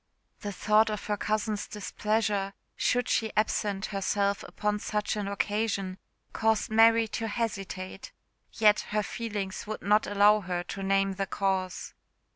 The thoughts of her cousin's displeasure, should she absent herself upon such an occasion, caused Mary to hesitate; yet her feelings would not allow her to name the cause.